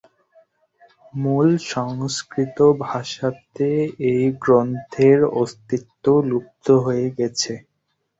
মূল সংস্কৃত ভাষাতে এই গ্রন্থের অস্তিত্ব লুপ্ত হয়ে গেছে।